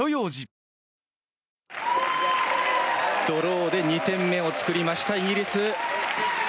ドローで２点目を作りましたイギリス。